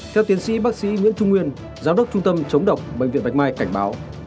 theo tiến sĩ bác sĩ nguyễn trung nguyên giám đốc trung tâm chống độc bệnh viện bạch mai cảnh báo